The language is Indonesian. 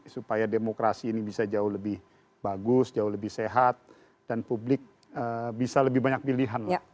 supaya demokrasi ini bisa jauh lebih bagus jauh lebih sehat dan publik bisa lebih banyak pilihan